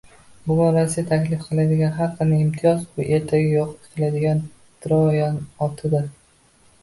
Bugun Rossiya taklif qiladigan har qanday imtiyoz - bu ertaga yo'q qiladigan troyan otidir